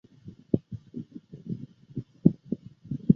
大学毕业后曾任教于敦叙中学。